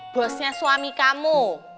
harusnya suami kamu